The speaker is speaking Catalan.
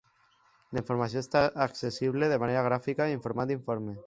La informació està accessible de manera gràfica i en format d'informe.